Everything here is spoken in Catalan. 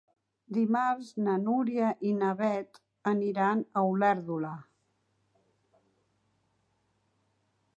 Dimarts na Núria i na Beth aniran a Olèrdola.